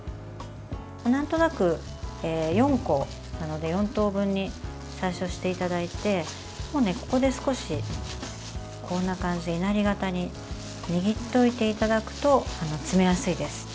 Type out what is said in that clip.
なんとなく４個なので４等分に最初していただいてここで少しこんな感じでいなり形に握っておいていただくと詰めやすいです。